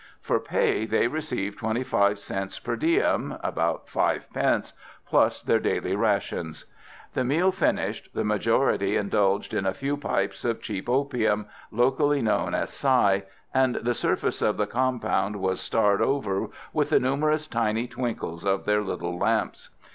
For pay they received twenty five cents per diem (about fivepence), plus their daily rations. The meal finished, the majority indulged in a few pipes of cheap opium, locally known as Sai, and the surface of the compound was starred over with the numerous tiny twinkles of their little lamps.